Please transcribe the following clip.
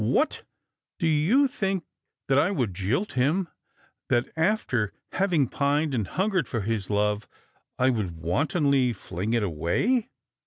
" What ! Do you think that I would jilt him, that after having pined and hungered for his love I would wantonly fling it away